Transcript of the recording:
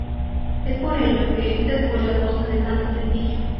Es por ello que esta escuela goza de tanto prestigio.